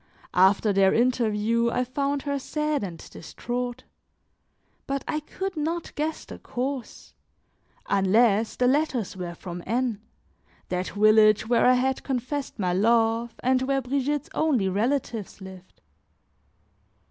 After their interview, I found her sad and distraught; but I could not guess the cause, unless the letters were from N , that village where I had confessed my love and where Brigitte's only relatives lived.